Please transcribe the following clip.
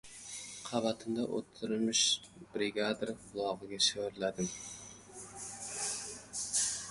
Qabatimda o‘tirmish brigadir qulog‘iga shivirladim: